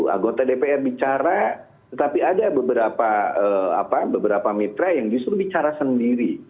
anggota dpr bicara tetapi ada beberapa mitra yang justru bicara sendiri